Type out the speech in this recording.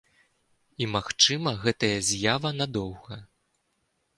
І, магчыма, гэтая з'ява надоўга.